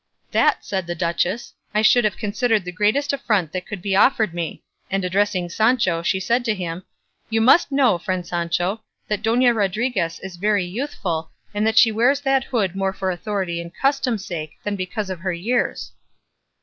"That," said the duchess, "I should have considered the greatest affront that could be offered me;" and addressing Sancho, she said to him, "You must know, friend Sancho, that Dona Rodriguez is very youthful, and that she wears that hood more for authority and custom's sake than because of her years."